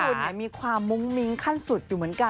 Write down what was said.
คุณมีความมุ้งมิ้งขั้นสุดอยู่เหมือนกัน